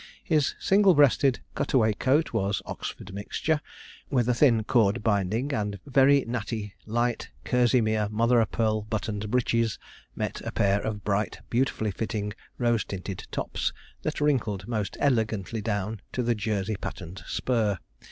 His single breasted, cutaway coat was Oxford mixture, with a thin cord binding, and very natty light kerseymere mother o' pearl buttoned breeches, met a pair of bright, beautifully fitting, rose tinted tops, that wrinkled most elegantly down to the Jersey patterned spur.